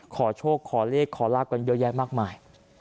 ขอโชคขอเลขขอลาบกันเยอะแยะมากมาย